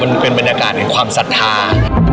มันเป็นบรรยากาศแห่งความศรัทธา